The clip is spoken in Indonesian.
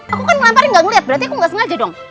aku kan melemparin gak ngeliat berarti aku gak sengaja dong